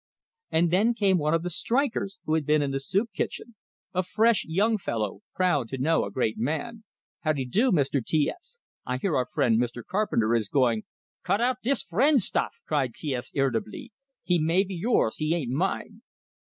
And then came one of the strikers who had been in the soup kitchen a fresh young fellow, proud to know a great man. "How dy'do, Mr. T S? I hear our friend, Mr. Carpenter, is going " "Cut out dis friend stuff!" cried T S, irritably. "He may be yours he ain't mine!"